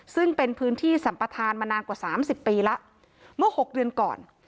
ซึ่งเป็นพื้นที่สัมปทานมานานกว่าสามสิบปีแล้วเมื่อ๖เดือนก่อน